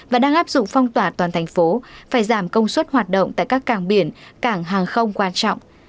và đang áp dụng phong tỏa toàn thành phố phải giảm công suất hoạt động tại các cảng biển cảng hàng không quan trọng